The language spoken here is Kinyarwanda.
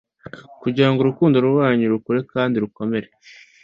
Kugira ngo urukundo rwanyu rukure kandi rukomere